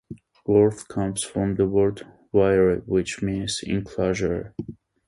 'Worth' comes from the word "Wyrthe", which means enclosure.